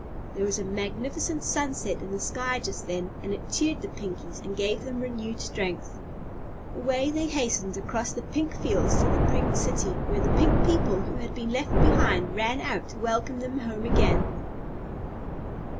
There was a magnificent sunset in the sky just then and it cheered the Pinkies and gave them renewed strength. Away they hastened across the pink fields to the Pink City, where all the Pink people who had been left behind ran out to welcome them home again.